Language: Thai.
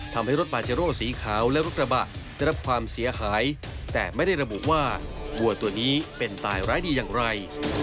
ทำให้รถปาเจโร่สีขาวและรถกระบะได้รับความเสียหายแต่ไม่ได้ระบุว่าวัวตัวนี้เป็นตายร้ายดีอย่างไร